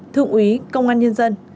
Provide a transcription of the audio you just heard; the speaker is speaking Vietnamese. thượng úy công an nhân dân